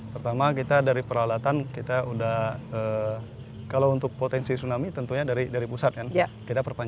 pertama kita dari peralatan kita udah kalau untuk potensi tsunami tentunya dari pusat kan